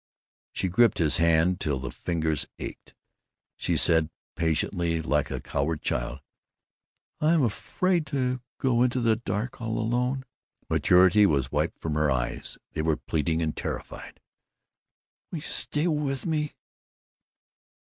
She gripped his hand till the fingers ached. She said patiently, like a cowed child, "I'm afraid to go into the dark, all alone!" Maturity was wiped from her eyes; they were pleading and terrified. "Will you stay with me?